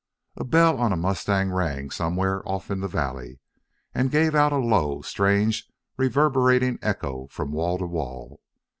A bell on a mustang rang somewhere off in the valley and gave out a low, strange, reverberating echo from wall to wall.